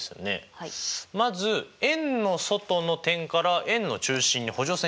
まず円の外の点から円の中心に補助線描きたいと思います。